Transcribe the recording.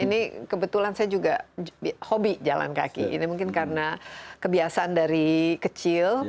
ini kebetulan saya juga hobi jalan kaki ini mungkin karena kebiasaan dari kecil